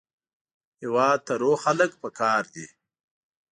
هېواد ته روغ خلک پکار دي